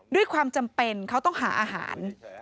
ด้วยความจำเป็นเขาต้องหาอาหาร